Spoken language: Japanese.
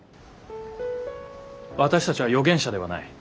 私たちは予言者ではない。